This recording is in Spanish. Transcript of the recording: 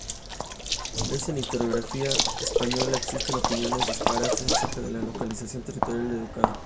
En la historiografía española existen opiniones dispares acerca de la localización territorial del Ducado.